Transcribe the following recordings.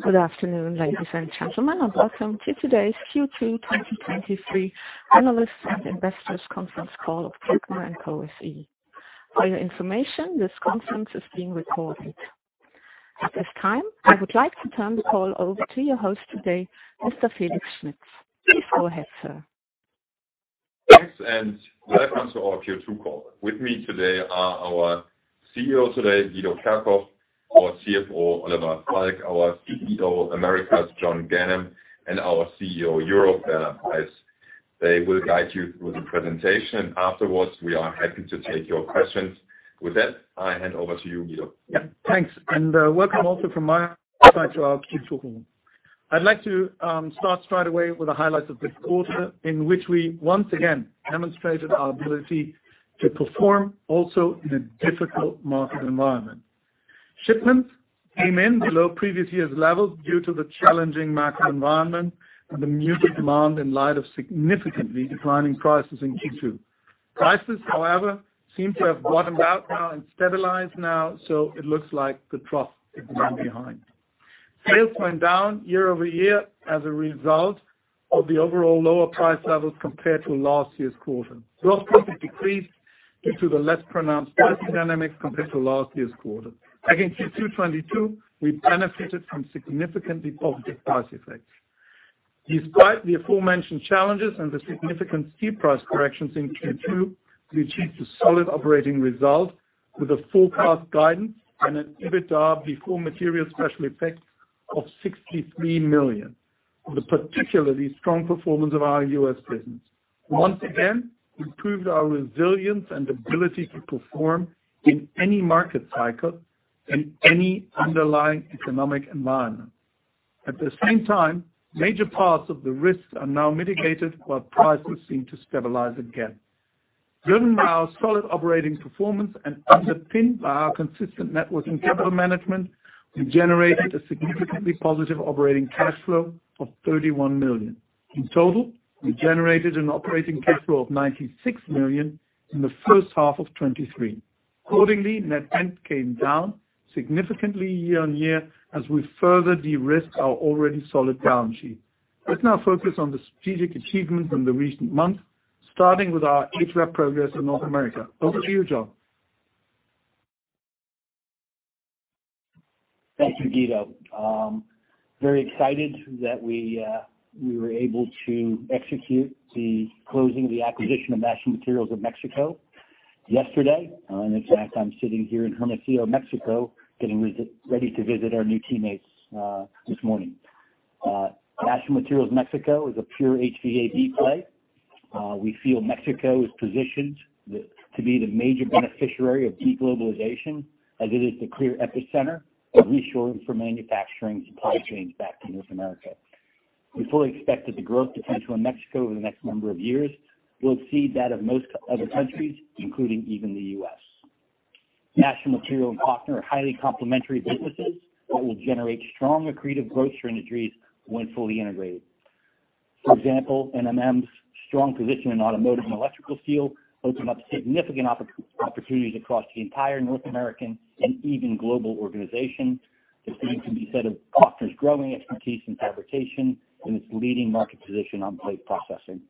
Good afternoon, ladies and gentlemen, welcome to today's Q2 2023 analysts and investors conference call of Klöckner & Co SE. For your information, this conference is being recorded. At this time, I would like to turn the call over to your host today, Mr. Felix Schmitz. Please go ahead, sir. Thanks, and welcome to our Q2 call. With me today are our CEO today, Guido Kerkhoff, our CFO, Oliver Falk, our CEO, America, John Ganem, and our CEO, Europe, Bernhard Weiß. They will guide you through the presentation, and afterwards, we are happy to take your questions. With that, I hand over to you, Guido. Yeah, thanks. Welcome also from my side to our Q2 call. I'd like to start straight away with the highlights of this quarter, in which we once again demonstrated our ability to perform also in a difficult market environment. Shipments came in below previous years' levels due to the challenging macro environment and the muted demand in light of significantly declining prices in Q2. Prices, however, seem to have bottomed out now and stabilized now, so it looks like the trough is now behind. Sales went down year-over-year as a result of the overall lower price levels compared to last year's quarter. Gross profit decreased due to the less pronounced price dynamics compared to last year's quarter. Against Q2 2022, we benefited from significantly positive price effects. Despite the aforementioned challenges and the significant steep price corrections in Q2, we achieved a solid operating result with a full cost guidance and an EBITDA before material special effects of 63 million, with a particularly strong performance of our U.S. business. Once again, we proved our resilience and ability to perform in any market cycle and any underlying economic environment. At the same time, major parts of the risks are now mitigated, while prices seem to stabilize again. Driven by our solid operating performance and underpinned by our consistent net working capital management, we generated a significantly positive operating cash flow of 31 million. In total, we generated an operating cash flow of 96 million in the H1 of 2023. Accordingly, net debt came down significantly year-on-year as we further de-risked our already solid balance sheet. Let's now focus on the strategic achievements in the recent months, starting with our HVA progress in North America. Over to you, John. Thank you, Guido. Very excited that we were able to execute the closing of the acquisition of National Material of Mexico yesterday. In fact, I'm sitting here in Hermosillo, Mexico, getting ready to visit our new teammates this morning. National Materials Mexico is a pure HVAC play. We feel Mexico is positioned to be the major beneficiary of de-globalization as it is the clear epicenter of reshoring for manufacturing supply chains back to North America. We fully expect that the growth potential in Mexico over the next number of years will exceed that of most other countries, including even the U.S. National Material and Klöckner are highly complementary businesses that will generate strong accretive growth synergies when fully integrated. For example, NMM's strong position in automotive and electrical steel open up significant opportunities across the entire North American and even global organization. The same can be said of Klöckner's growing expertise in fabrication and its leading market position on plate processing.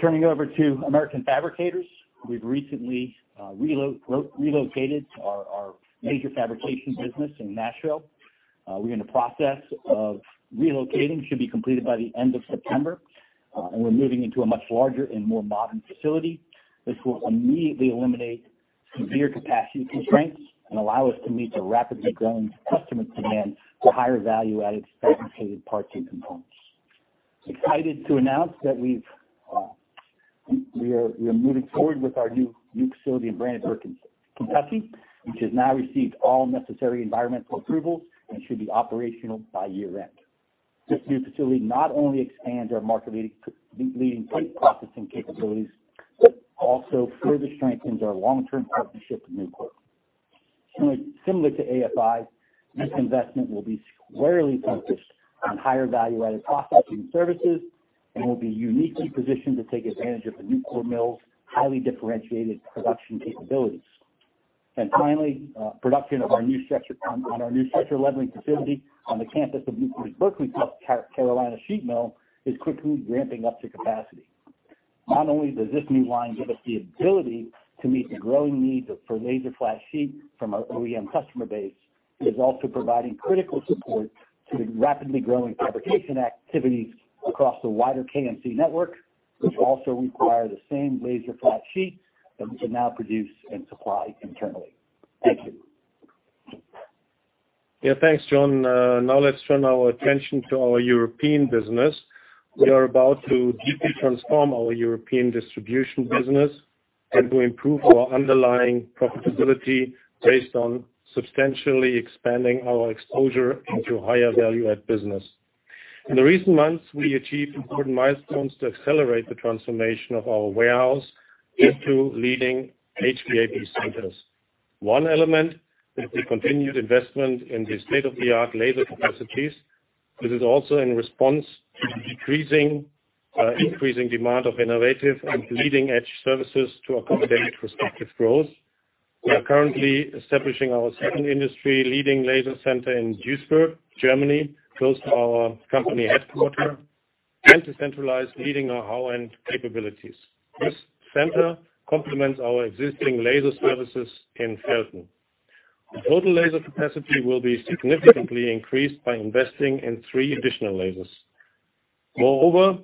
Turning over to American Fabricators, we've recently relocated our major fabrication business in Nashville. We're in the process of relocating, should be completed by the end of September, and we're moving into a much larger and more modern facility. This will immediately eliminate severe capacity constraints and allow us to meet the rapidly growing customer demand for higher value-added fabricated parts and components. Excited to announce that we've, we are moving forward with our new facility in Brandenburg, Kentucky, which has now received all necessary environmental approvals and should be operational by year-end. This new facility not only expands our market-leading plate processing capabilities, but also further strengthens our long-term partnership with Nucor. Similar to AFI, this investment will be squarely focused on higher value-added processing services and will be uniquely positioned to take advantage of the Nucor mill's highly differentiated production capabilities. Finally, production of our new stretch and leveling facility on the campus of Nucor's Berkeley, Carolina Sheet Mill, is quickly ramping up to capacity. Not only does this new line give us the ability to meet the growing needs for laser flat sheet from our OEM customer base, it is also providing critical support to the rapidly growing fabrication activities across the wider KMC network, which also require the same laser flat sheet that we can now produce and supply internally. Thank you. Yeah, thanks, John. Now let's turn our attention to our European business. We are about to deeply transform our European distribution business and to improve our underlying profitability based on substantially expanding our exposure into higher value-add business. In the recent months, we achieved important milestones to accelerate the transformation of our warehouse into leading HVAC centers. One element is the continued investment in the state-of-the-art laser capacities.... This is also in response to decreasing, increasing demand of innovative and leading-edge services to accommodate prospective growth. We are currently establishing our second industry-leading laser center in Duisburg, Germany, close to our company headquarter, and to centralize leading our know-how and capabilities. This center complements our existing laser services in Velten. The total laser capacity will be significantly increased by investing in three additional lasers. Moreover,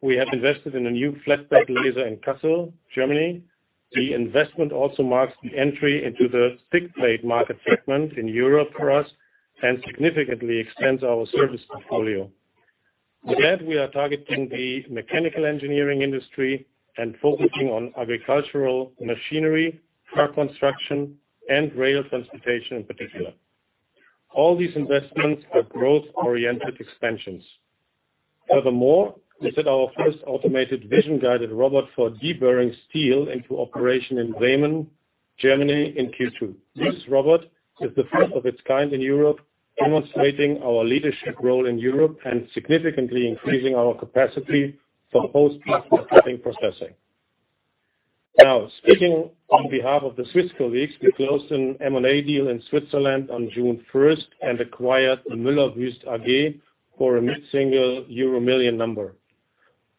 we have invested in a new flatbed laser in Kassel, Germany. The investment also marks the entry into the thick plate market segment in Europe for us and significantly extends our service portfolio. With that, we are targeting the mechanical engineering industry and focusing on agricultural machinery, car construction, and rail transportation, in particular. All these investments are growth-oriented expansions. Furthermore, we set our first automated vision-guided robot for deburring steel into operation in Bremen, Germany, in Q2. This robot is the first of its kind in Europe, demonstrating our leadership role in Europe and significantly increasing our capacity for post-processing. Now, speaking on behalf of the Swiss colleagues, we closed an M&A deal in Switzerland on June first and acquired Müller Wüst AG, for a mid-single EUR million number.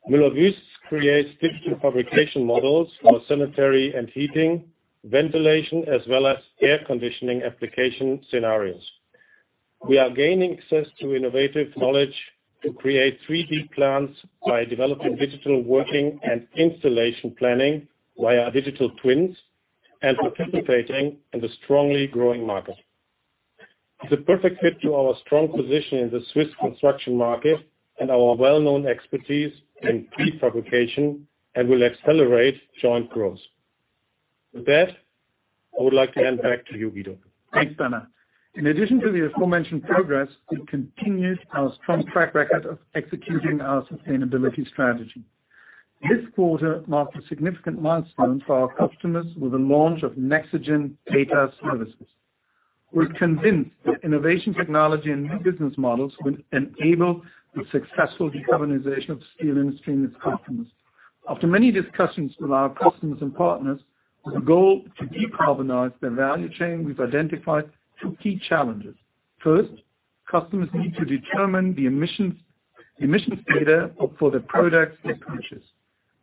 Müller Wüst creates digital fabrication models for sanitary and heating, ventilation, as well as air conditioning application scenarios. We are gaining access to innovative knowledge to create 3D plans by developing digital working and installation planning via digital twins and participating in the strongly growing market. It's a perfect fit to our strong position in the Swiss construction market and our well-known expertise in prefabrication, and will accelerate joint growth. With that, I would like to hand back to you, Guido. Thanks, Werner. In addition to the aforementioned progress, we continued our strong track record of executing our sustainability strategy. This quarter marked a significant milestone for our customers with the launch of Nexigen Data Services. We're convinced that innovation, technology, and new business models will enable the successful decarbonization of the steel industry and its customers. After many discussions with our customers and partners, with a goal to decarbonize their value chain, we've identified two key challenges. First, customers need to determine the emissions, emissions data for the products they purchase.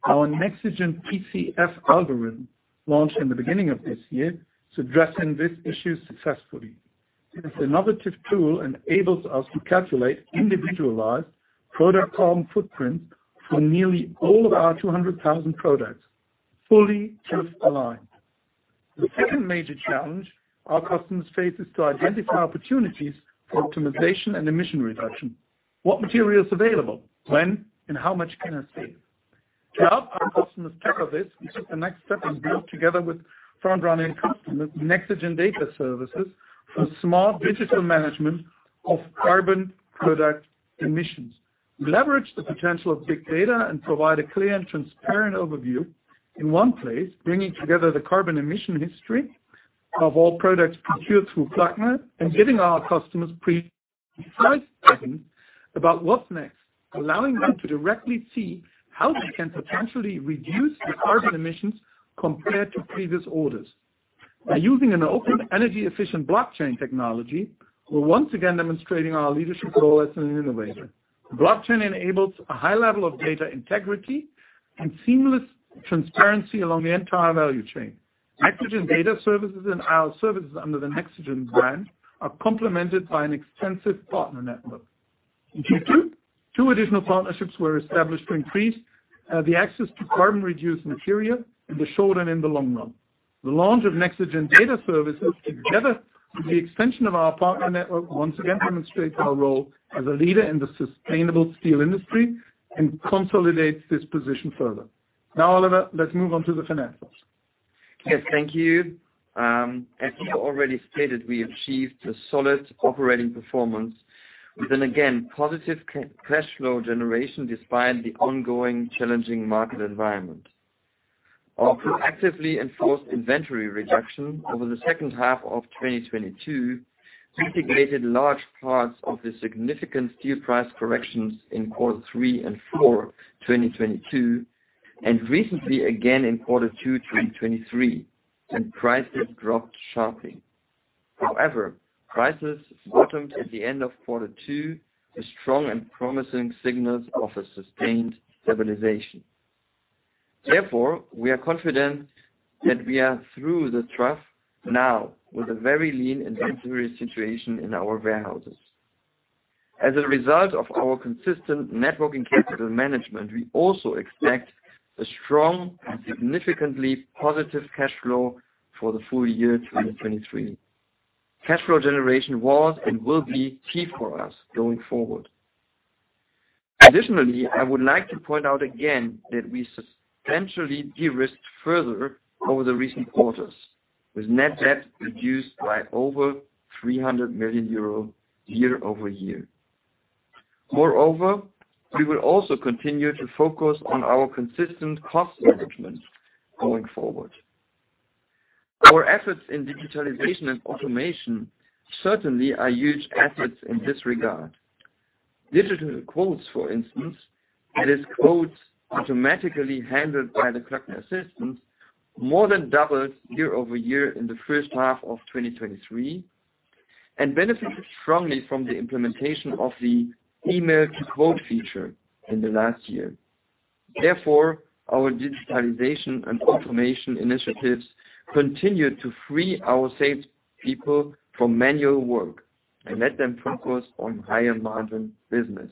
Our Nexigen PCF Algorithm, launched in the beginning of this year, is addressing this issue successfully. This innovative tool enables us to calculate individualized Product Carbon Footprint for nearly all of our 200,000 products, fully just aligned. The second major challenge our customers face is to identify opportunities for optimization and emission reduction. What material is available, when, and how much can I save? To help our customers tackle this, we took the next step and built, together with front-running customers, Nexigen Data Services for smart digital management of carbon product emissions. We leverage the potential of big data and provide a clear and transparent overview in one place, bringing together the carbon emission history of all products procured through Klöckner & Co and giving our customers about what's next, allowing them to directly see how they can potentially reduce their carbon emissions compared to previous orders. By using an open, energy-efficient blockchain technology, we're once again demonstrating our leadership role as an innovator. Blockchain enables a high level of data integrity and seamless transparency along the entire value chain. Nexigen Data Services and our services under the Nexigen brand are complemented by an extensive partner network. In Q2, 2 additional partnerships were established to increase the access to carbon-reduced material in the short and in the long run. The launch of Nexigen Data Services, together with the extension of our partner network, once again demonstrates our role as a leader in the sustainable steel industry and consolidates this position further. Now, Oliver, let's move on to the financials. Yes, thank you. As we already stated, we achieved a solid operating performance with an again positive cash flow generation, despite the ongoing challenging market environment. Our proactively enforced inventory reduction over the H2 of 2022 mitigated large parts of the significant steel price corrections in Q3 and Q4, 2022, and recently again in Q2, 2023, and prices dropped sharply. However, prices bottomed at the end of Q2, with strong and promising signals of a sustained stabilization. Therefore, we are confident that we are through the trough now with a very lean inventory situation in our warehouses. As a result of our consistent net working capital management, we also expect a strong and significantly positive cash flow for the full year 2023. Cash flow generation was and will be key for us going forward. Additionally, I would like to point out again that we substantially de-risked further over the recent quarters, with net debt reduced by over 300 million euros year-over-year. Moreover, we will also continue to focus on our consistent cost management going forward. Our efforts in digitalization and automation certainly are huge assets in this regard. Digital quotes, for instance, that is, quotes automatically handled by the customer assistance, more than doubled year-over-year in the H1 of 2023, and benefited strongly from the implementation of the email to quote feature in the last year. Therefore, our digitalization and automation initiatives continue to free our sales people from manual work and let them focus on higher margin business.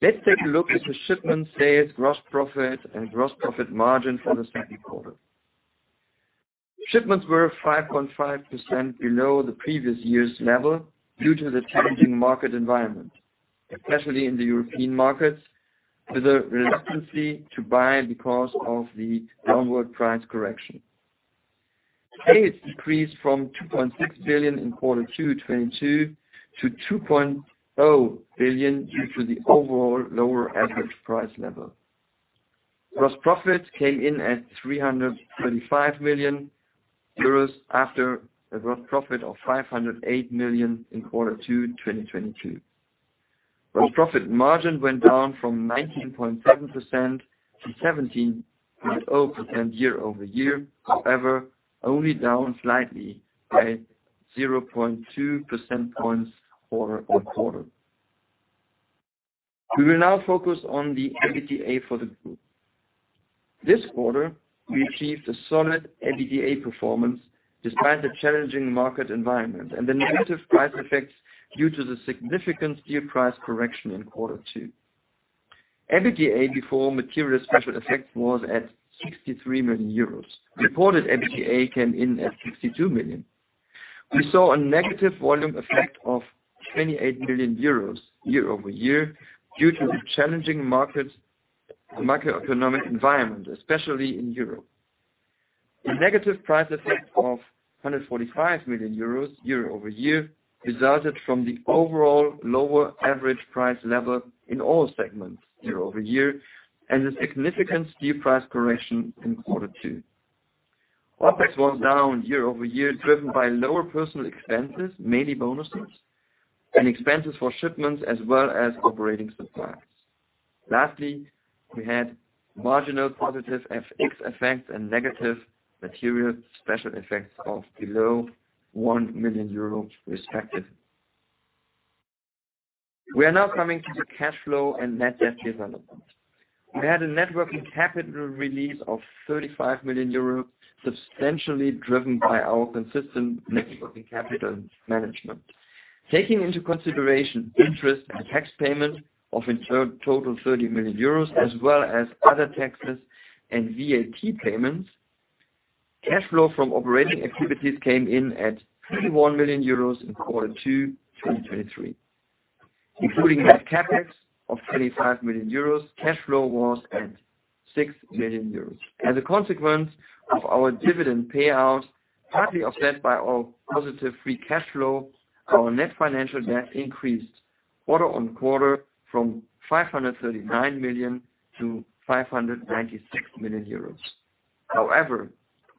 Let's take a look at the shipment sales, gross profit, and gross profit margin for the Q2. Shipments were 5.5% below the previous year's level due to the challenging market environment, especially in the European markets, with a hesitancy to buy because of the downward price correction. Sales decreased from 2.6 billion in Q2 2022 to 2.0 billion, due to the overall lower average price level. Gross profit came in at 335 million euros, after a gross profit of 508 million in Q2 2022. Gross profit margin went down from 19.7% to 17.0% year-over-year. Only down slightly by 0.2 percentage points quarter-on-quarter. We will now focus on the EBITDA for the group. This quarter, we achieved a solid EBITDA performance despite the challenging market environment and the negative price effects due to the significant steel price correction in Q2. EBITDA before material special effects was at 63 million euros. Reported EBITDA came in at 62 million. We saw a negative volume effect of 28 million euros year-over-year, due to the challenging market, macroeconomic environment, especially in Europe. A negative price effect of 145 million euros year-over-year, resulted from the overall lower average price level in all segments year-over-year, and the significant steel price correction in quarter two. OpEx was down year-over-year, driven by lower personal expenses, mainly bonuses and expenses for shipments, as well as operating supplies. Lastly, we had marginal positive FX effects and negative material special effects of below 1 million euro respective. We are now coming to the cash flow and net debt development. We had a net working capital release of 35 million euros, substantially driven by our consistent net working capital management. Taking into consideration interest and tax payment of in total 30 million euros, as well as other taxes and VAT payments, cash flow from operating activities came in at 21 million euros in Q2 2023, including net CapEx of 25 million euros, cash flow was at 6 million euros. As a consequence of our dividend payouts, partly offset by our positive free cash flow, our net financial debt increased quarter on quarter from 539 million to 596 million euros. However,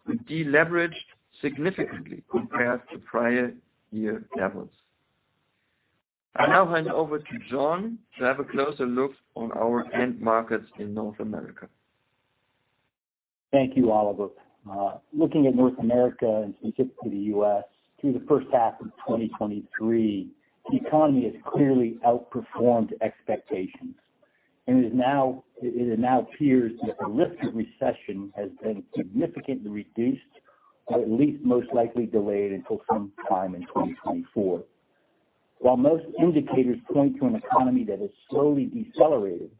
we deleveraged significantly compared to prior year levels. I now hand over to John to have a closer look on our end markets in North America. Thank you, Oliver. Looking at North America, and specifically the U.S., through the H1 of 2023, the economy has clearly outperformed expectations, it now appears that the risk of recession has been significantly reduced, or at least most likely delayed until some time in 2024. While most indicators point to an economy that has slowly decelerated,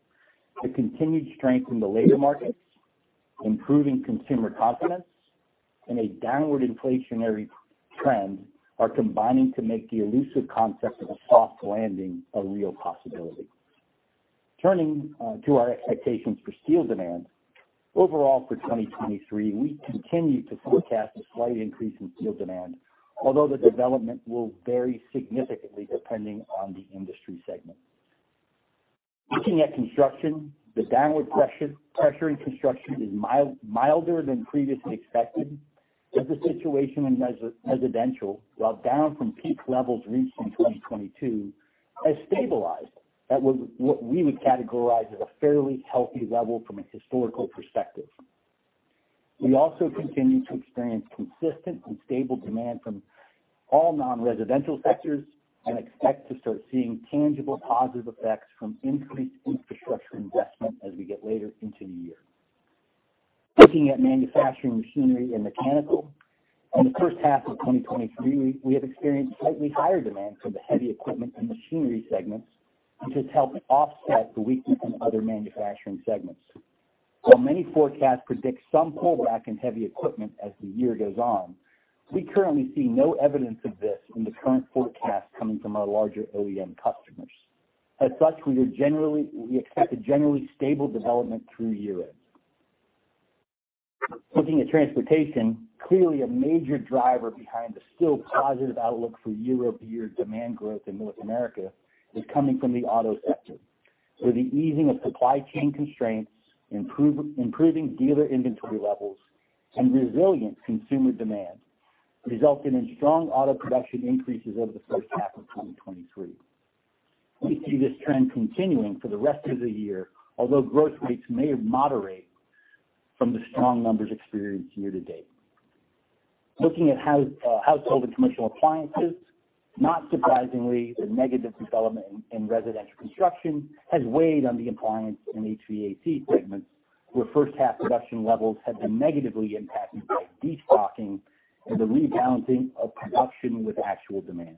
the continued strength in the labor markets, improving consumer confidence, and a downward inflationary trend, are combining to make the elusive concept of a soft landing a real possibility. Turning to our expectations for steel demand. Overall, for 2023, we continue to forecast a slight increase in steel demand, although the development will vary significantly depending on the industry segment. Looking at construction, the downward pressure, pressure in construction is mild, milder than previously expected, as the situation in residential, while down from peak levels reached in 2022, has stabilized. That was what we would categorize as a fairly healthy level from a historical perspective. We also continue to experience consistent and stable demand from all non-residential sectors, and expect to start seeing tangible positive effects from increased infrastructure investment as we get later into the year. Looking at manufacturing, machinery, and mechanical. In the H1 of 2023, we have experienced slightly higher demand for the heavy equipment and machinery segments, which has helped offset the weakness in other manufacturing segments. While many forecasts predict some pullback in heavy equipment as the year goes on, we currently see no evidence of this in the current forecast coming from our larger OEM customers. As such, we expect a generally stable development through year-end. Looking at transportation, clearly a major driver behind the still positive outlook for year-over-year demand growth in North America is coming from the auto sector. With the easing of supply chain constraints, improving dealer inventory levels and resilient consumer demand, resulting in strong auto production increases over the H1 of 2023. We see this trend continuing for the rest of the year, although growth rates may moderate from the strong numbers experienced year to date. Looking at household and commercial appliances, not surprisingly, the negative development in residential construction has weighed on the appliance and HVAC segments, where H1 production levels have been negatively impacted by destocking and the rebalancing of production with actual demand.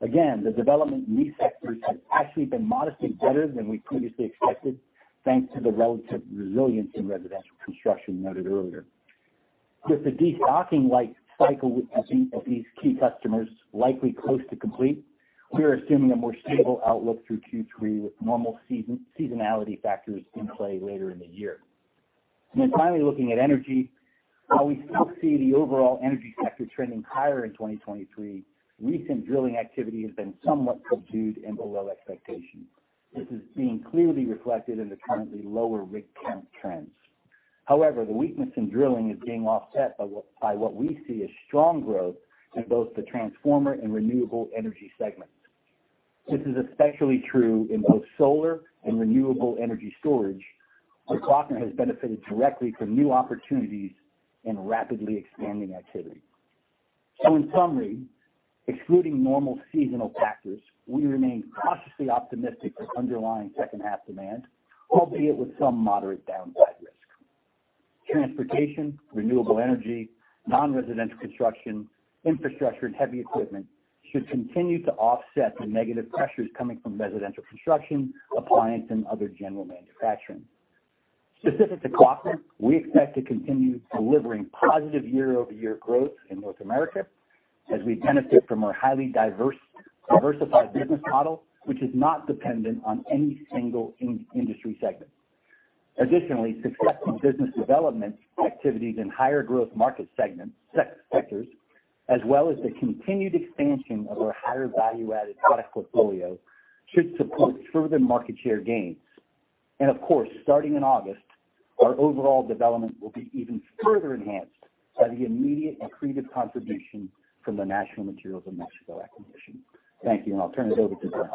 Again, the development in these sectors has actually been modestly better than we previously expected, thanks to the relative resilience in residential construction noted earlier. With the destocking-like cycle with of these of these key customers likely close to complete, we are assuming a more stable outlook through Q3, with normal season seasonality factors in play later in the year. Finally, looking at energy, while we still see the overall energy sector trending higher in 2023, recent drilling activity has been somewhat subdued and below expectations. This is being clearly reflected in the currently lower rig count trends. However, the weakness in drilling is being offset by what by what we see as strong growth in both the transformer and renewable energy segments. This is especially true in both solar and renewable energy storage, where Klöckner has benefited directly from new opportunities in rapidly expanding activity. In summary, excluding normal seasonal factors, we remain cautiously optimistic of underlying H2 demand, albeit with some moderate downside risk. Transportation, renewable energy, non-residential construction, infrastructure and heavy equipment should continue to offset the negative pressures coming from residential construction, appliance and other general manufacturing. Specific to Klöckner, we expect to continue delivering positive year-over-year growth in North America as we benefit from our highly diversified business model, which is not dependent on any single industry segment. Additionally, successful business development activities in higher growth market segments, sectors, as well as the continued expansion of our higher value-added product portfolio, should support further market share gains. Of course, starting in August, our overall development will be even further enhanced by the immediate accretive contribution from the National Materials of Mexico acquisition. Thank you, and I'll turn it over to Bernhard.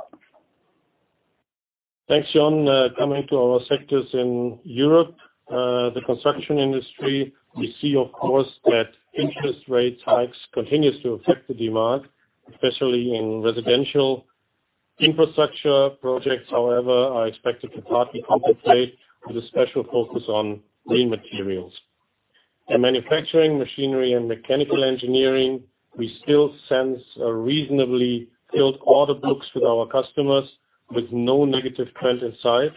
Thanks, John. Coming to our sectors in Europe, the construction industry, we see, of course, that interest rate hikes continues to affect the demand, especially in residential. Infrastructure projects, however, are expected to partly compensate with a special focus on green materials. In manufacturing, machinery and mechanical engineering, we still sense a reasonably filled order books with our customers, with no negative trend in sight,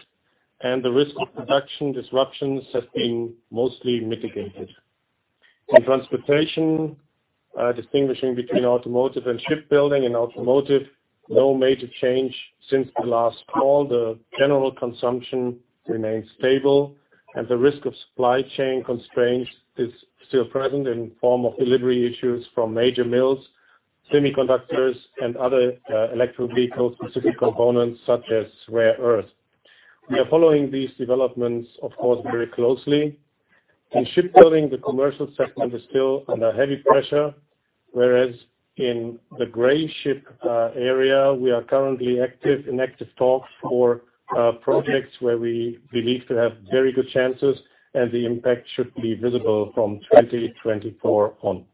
and the risk of production disruptions has been mostly mitigated. In transportation, distinguishing between automotive and shipbuilding and automotive, no major change since the last call. The general consumption remains stable, and the risk of supply chain constraints is still present in form of delivery issues from major mills, semiconductors and other, electric vehicle-specific components, such as rare earth. We are following these developments, of course, very closely. In shipbuilding, the commercial segment is still under heavy pressure, whereas in the gray ship area, we are currently active, in active talks for projects where we believe to have very good chances, and the impact should be visible from 2024 on.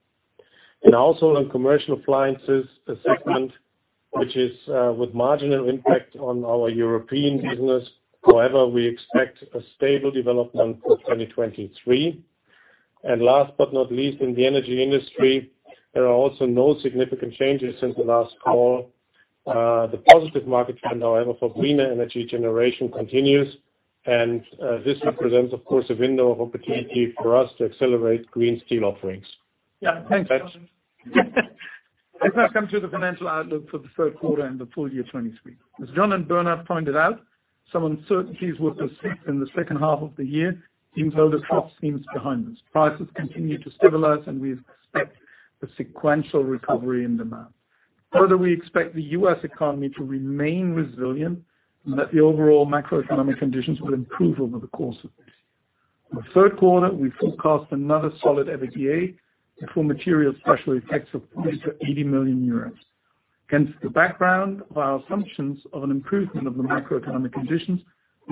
Also in commercial appliances segment, which is with marginal impact on our European business, however, we expect a stable development for 2023. Last but not least, in the energy industry, there are also no significant changes since the last call. The positive market trend, however, for greener energy generation continues, and this represents, of course, a window of opportunity for us to accelerate green steel offerings. Yeah, thanks, John. Let's now come to the financial outlook for the Q3 and the full year 2023. As John and Bernhard pointed out, some uncertainties were perceived in the H2 of the year, even though the worst seems behind us. Prices continue to stabilize. We expect a sequential recovery in demand. Further, we expect the U.S. economy to remain resilient and that the overall macroeconomic conditions will improve over the course of this. In the Q3, we forecast another solid EBITDA before material special effects of +80 million euros. Against the background of our assumptions of an improvement of the macroeconomic conditions,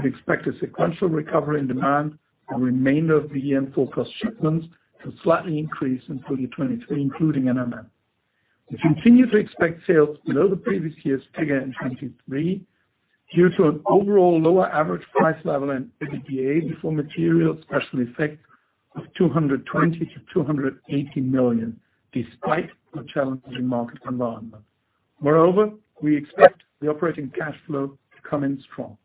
we expect a sequential recovery in demand and remainder of the year forecast shipments to slightly increase in 2023, including NMM. We continue to expect sales below the previous year's figure in 2023, due to an overall lower average price level and EBITDA before material special effect of 220 million-280 million, despite the challenging market environment. Moreover, we expect the operating cash flow to come in strong.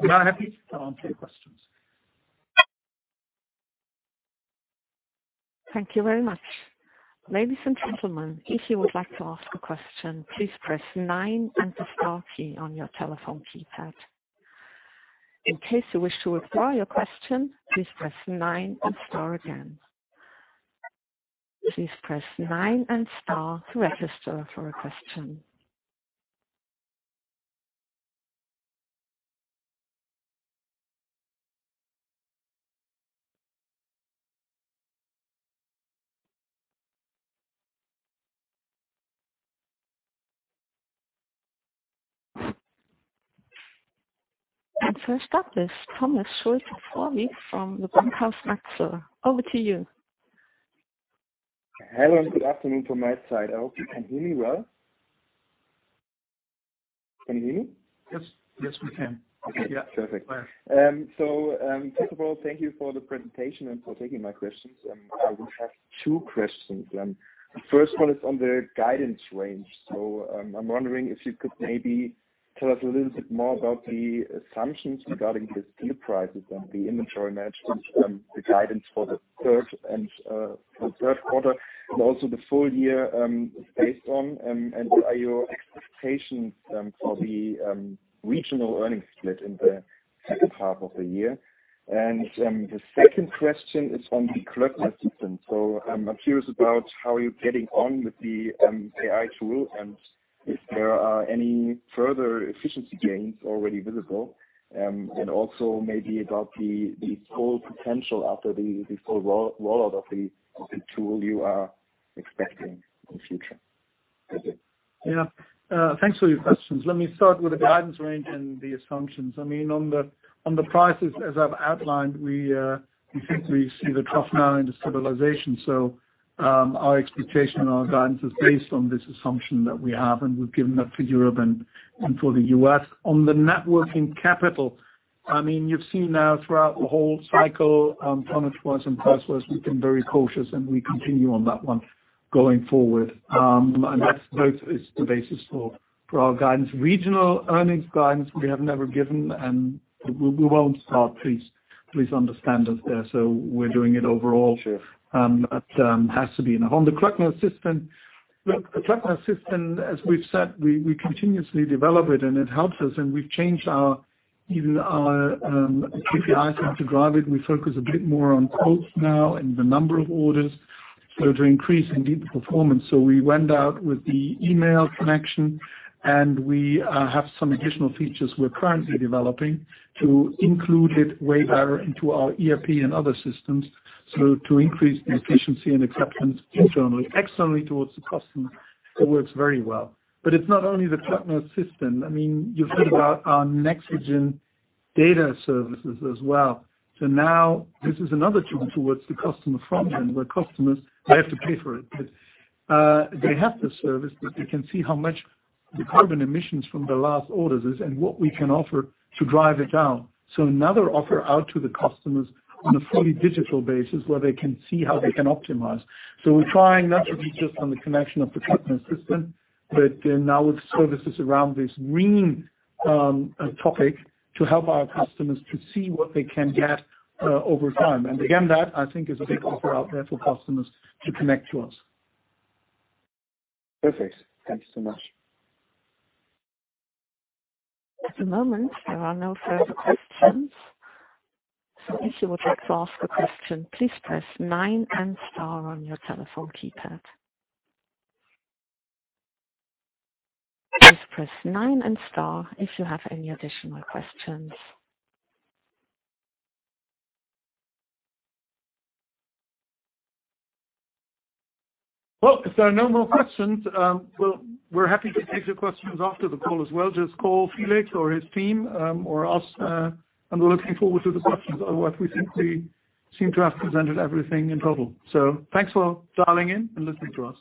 We are now happy to answer your questions. Thank you very much. Ladies and gentlemen, if you would like to ask a question, please press nine and the star key on your telephone keypad. In case you wish to withdraw your question, please press nine and star again.... Please press nine and star to register for a question. First up is Thomas Schulte-Vorwick from Bankhaus Metzler. Over to you. Hello, good afternoon from my side. I hope you can hear me well. Can you hear me? Yes. Yes, we can. Okay, perfect. First of all, thank you for the presentation and for taking my questions. I will have two questions. The first one is on the guidance range. I'm wondering if you could maybe tell us a little bit more about the assumptions regarding the steel prices and the inventory management the guidance for the third and for the Q3, and also the full year, is based on. What are your expectations for the regional earnings split in the H2 of the year? The second question is on the Kloeckner Assistant. I'm curious about how you're getting on with the AI tool, and if there are any further efficiency gains already visible. Also maybe about the full potential after the full roll out of the tool you are expecting in future. That's it. Yeah. Thanks for your questions. Let me start with the guidance range and the assumptions. I mean, on the, on the prices, as I've outlined, we, we think we see the trough now in the stabilization. Our expectation and our guidance is based on this assumption that we have, and we've given that for Europe and, and for the U.S. On the net working capital, I mean, you've seen now throughout the whole cycle, tonnage-wise and price-wise, we've been very cautious, and we continue on that one going forward. And that's, that is the basis for, for our guidance. Regional earnings guidance, we have never given, and we, we won't start. Please, please understand us there. We're doing it overall. Sure. Has to be. On the Kloeckner Assistant system, the Kloeckner Assistant system, as we've said, we continuously develop it, and it helps us, and we've changed our, even our KPIs to have to drive it. We focus a bit more on quotes now and the number of orders, to increase indeed the performance. We went out with the email connection, and we have some additional features we're currently developing to include it way better into our ERP and other systems, to increase the efficiency and acceptance internally. Externally, towards the customer, it works very well. It's not only the Kloeckner Assistant system. I mean, you've heard about our Nexigen Data Services as well. Now this is another tool towards the customer front end, where customers, they have to pay for it. They have the service, but they can see how much the carbon emissions from the last orders is, and what we can offer to drive it down. Another offer out to the customers on a fully digital basis, where they can see how they can optimize. We're trying not to be just on the connection of the Klöckner system, but then now with services around this green topic, to help our customers to see what they can get over time. Again, that I think is a big offer out there for customers to connect to us. Perfect. Thanks so much. At the moment, there are no further questions. If you would like to ask a question, please press nine and star on your telephone keypad. Please press nine and star if you have any additional questions. Well, if there are no more questions, well, we're happy to take your questions after the call as well. Just call Felix or his team, or us. We're looking forward to the questions. Otherwise, we think we seem to have presented everything in total. Thanks for dialing in and listening to us.